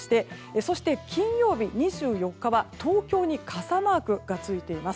そして金曜日、２４日は東京に傘マークがついています。